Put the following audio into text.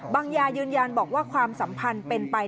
ยายืนยันบอกว่าความสัมพันธ์เป็นไป